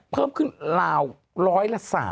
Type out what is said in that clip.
เพิ่มขึ้นลาวร้อยละ๓